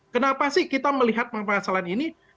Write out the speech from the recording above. kenapa sih kita melihat permasalahan ini